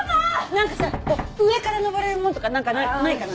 何かさ上から登れるものとか何かないかな？